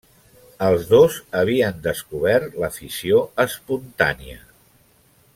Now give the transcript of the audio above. Els dos havien descobert la fissió espontània.